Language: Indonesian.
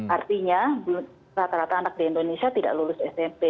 artinya rata rata anak di indonesia tidak lulus smp